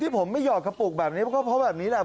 ผมไม่หอดกระปุกแบบนี้มันก็เพราะแบบนี้แหละ